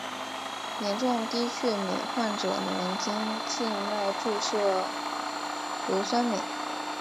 严重低血镁患者能经静脉注射硫酸镁。